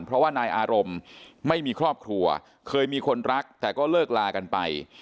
เพราะว่านายอารมณ์ไม่มีครอบครัวเคยมีคนรักแต่ก็เลิกลากันไป